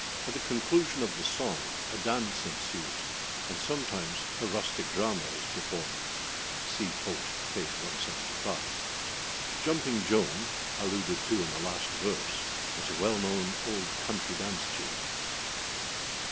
At the conclusion of the song a dance ensues, and sometimes a rustic drama is performed. See post, p. 175. Jumping Joan, alluded to in the last verse, is a well known old country dance tune.